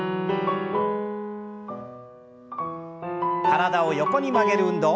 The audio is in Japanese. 体を横に曲げる運動。